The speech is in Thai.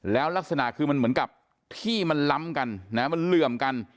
แล้วลักษณะคือมันเหมือนกับที่มันล้ำกันนะมันเหลื่อมกัน